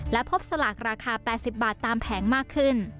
และพบสลากราคา๘๐บาทตามแผงมากขึ้น